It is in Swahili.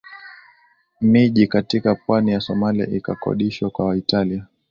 Miji katika pwani ya Somalia ikakodishwa kwa Italia